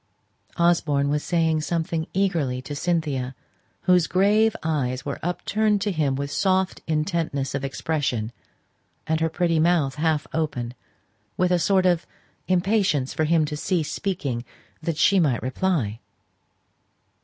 Osborne was saying something eagerly to Cynthia, whose grave eyes were upturned to him with soft intentness of expression, and her pretty mouth half open, with a sort of impatience for him to cease speaking, that she might reply.